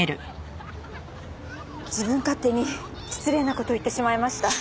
自分勝手に失礼な事を言ってしまいました。